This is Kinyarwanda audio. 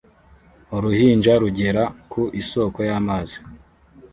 Uruhinja rugera ku isoko y'amazi